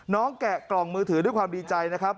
แกะกล่องมือถือด้วยความดีใจนะครับ